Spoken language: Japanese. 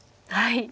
はい。